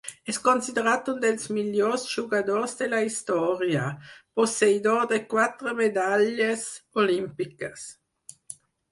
És considerat un dels millors jugadors de la història, posseïdor de quatre medalles olímpiques.